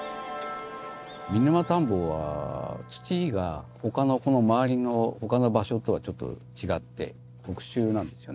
見沼たんぼは土が他のまわりの他の場所とはちょっと違って特殊なんですよね。